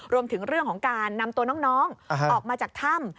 รวมถึงเรื่องของการนำตัวน้องออกมาจากถ้ำ